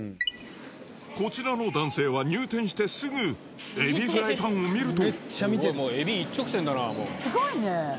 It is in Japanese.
こちらの男性は入店してすぐ、エビフライパンを見ると。